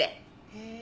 へえ。